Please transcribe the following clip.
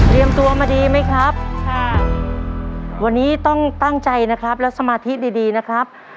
ตัวมาดีไหมครับค่ะวันนี้ต้องตั้งใจนะครับและสมาธิดีดีนะครับ